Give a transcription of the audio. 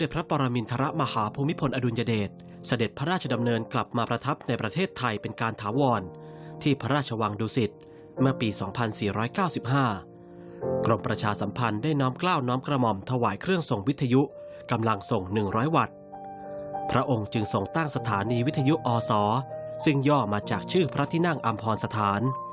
พระองค์จึงส่งตั้งสถานีวิทยุอศซึ่งย่อมาจากชื่อพระทินั่งอำพรสถาน